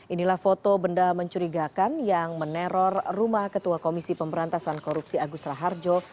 inilah foto benda mencurigakan yang meneror rumah ketua komisi pemberantasan korupsi agus raharjo